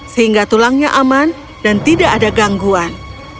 sehingga tulangnya aman dan tidak ada gangguan